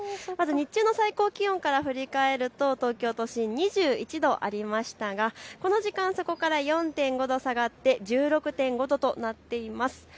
日中の最高気温から振り返ると東京都心２１度ありましたがこの時間そこから４．５度下がって１６．５度となっています。